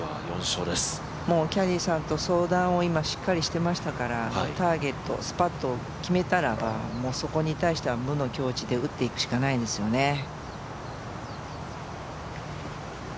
今、キャディーさんと相談をしっかりしていましたからターゲット、スパッと決めたらそこに対しては無の境地で打っていくしかないですよね。